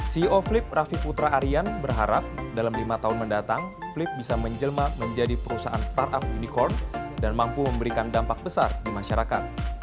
ceo flip raffi putra arian berharap dalam lima tahun mendatang flip bisa menjelma menjadi perusahaan startup unicorn dan mampu memberikan dampak besar di masyarakat